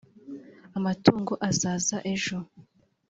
amatungo azaza ejo